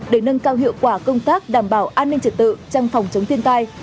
để nâng cao hiệu quả công tác đảm bảo an ninh trật tự trong phòng chống thiên tai